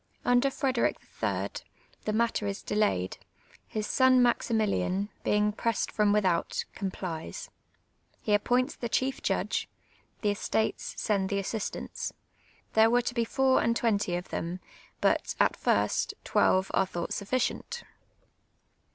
I'nder Frederic III. the matter is delayed ; his son Mnximili; in, being pressed from without, complies. He ap points the chief judge, the estates send the a.ssistants, 'Tliere were to be four and iwenty of them; but, at first, twelve are thought sufficient.